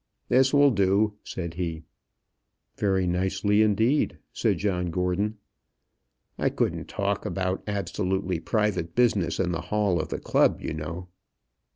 "This will do," said he. "Very nicely indeed," said John Gordon. "I couldn't talk about absolutely private business in the hall of the club, you know."